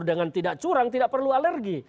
dengan tidak curang tidak perlu alergi